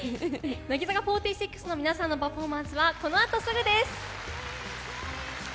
乃木坂４６の皆さんのパフォーマンスはこのあとすぐです。